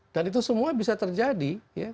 dan itu semua bisa terjadi